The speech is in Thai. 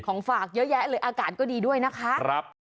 ฝากเยอะแยะเลยอากาศก็ดีด้วยนะคะ